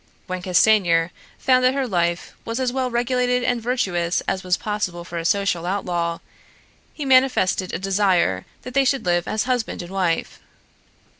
When Castanier found that her life was as well regulated and virtuous as was possible for a social outlaw, he manifested a desire that they should live as husband and wife.